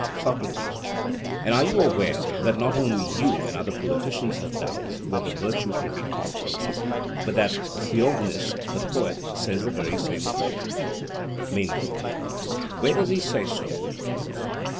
SOCRATES: And are you aware that not you only and other politicians have doubts whether virtue can be taught or not, but that Theognis the poet says the very same thing? MENO: Where does he say so?